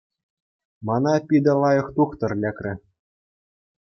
Мана питӗ лайӑх тухтӑр лекрӗ.